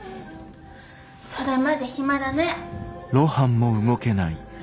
それまで暇だねッ。